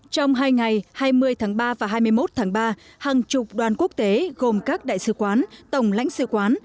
trong hai ngày hai mươi tháng ba và hai mươi một tháng ba hàng chục đoàn quốc tế gồm các đại sứ quán tổng lãnh sự quán